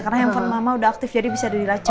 karena handphone mama udah aktif jadi bisa dilacak